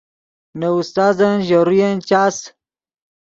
نے استازن ژے روین چاس